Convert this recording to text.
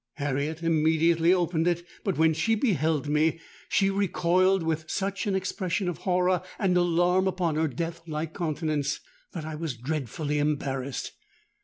Harriet immediately opened it; but when she beheld me, she recoiled with such an expression of horror and alarm upon her death like countenance, that I was dreadfully embarrassed.